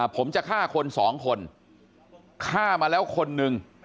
ผมจะฆ่าคนสองคนฆ่ามาแล้วคนหนึ่ง